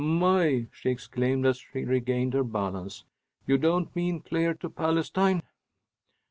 "My!" she exclaimed as she regained her balance. "You don't mean clear to Palestine!"